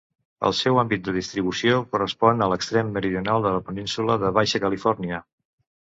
El seu àmbit de distribució correspon a l'extrem meridional de la península de Baixa Califòrnia.